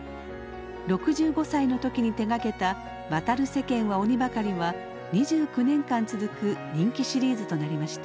６５歳の時に手がけた「渡る世間は鬼ばかり」は２９年間続く人気シリーズとなりました。